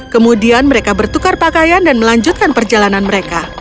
kemudian mereka bertukar pakaian dan melanjutkan perjalanan mereka